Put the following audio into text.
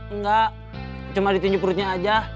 enggak cuma ditinju perutnya aja